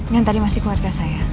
yang tadi masih keluarga saya